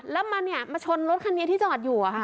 แล้วมันเนี่ยมาชนรถคันนี้ที่จอดอยู่อะค่ะ